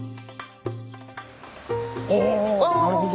おなるほど。